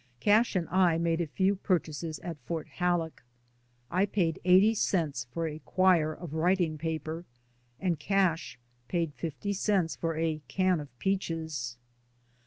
Cash and I made a few purchases at Fort Halleck. I paid eighty cents for a quire of writing paper, and Cash paid fifty cents for a can of peaches.